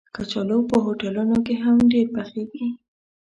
کچالو په هوټلونو کې هم ډېر پخېږي